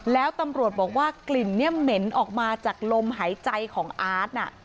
แล้วตำรวจบอกว่ากลิ่นเนี่ยเหม็นออกมาจากลมหายใจของอาร์ต